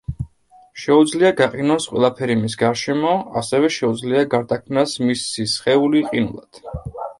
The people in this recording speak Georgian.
შეუძლია გაყინოს ყველაფერი მის გარშემო, ასევე შეუძლია გარდაქმნას მისი სხეული ყინულად.